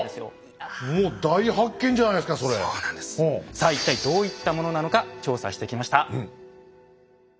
さあ一体どういったものなのか調査してきました。